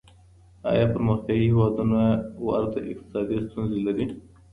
آيا پرمختيايي هيوادونه ورته اقتصادي ستونزې لري؟